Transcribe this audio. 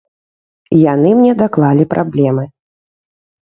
Яны мне даклалі праблемы.